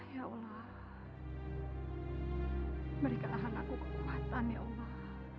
ya allah berikanlah anakku kekuatan ya allah